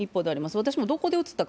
私もどこでうつったか